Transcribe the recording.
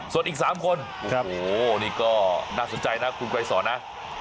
ส่วนอีก๓คนโอ้โหนี่ก็น่าสนใจนะคุณไกรสอนนะ